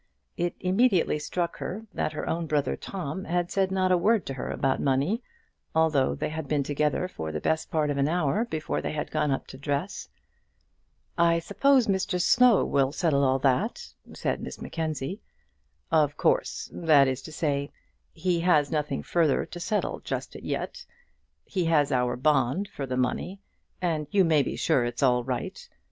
It immediately struck her that her own brother Tom had said not a word to her about the money, although they had been together for the best part of an hour before they had gone up to dress. "I suppose Mr Slow will settle all that," said Miss Mackenzie. "Of course; that is to say, he has nothing further to settle just as yet. He has our bond for the money, and you may be sure it's all right.